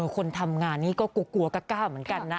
คนทำงานนี้ก็กลัวก็กล้าเหมือนกันนะ